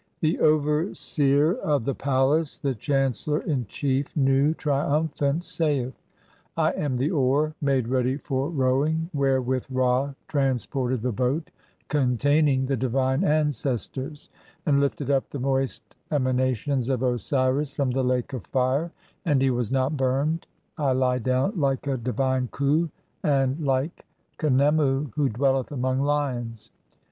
The overseer of the palace, the chancellor in chief, Nu, triumphant, saith :— "I am the oar made ready for rowing, (2) wherewith Ra trans ported the boat containing the divine ancestors, and lifted up "the moist emanations of Osiris from the Lake of Fire, (3) and "he was not burned. I lie down like a divine Klui, [and like] "Khnemu who dwelleth among lions.